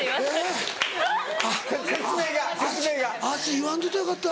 「えぇあ足言わんといたらよかった」